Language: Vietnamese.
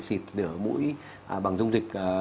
xịt rửa mũi bằng dung dịch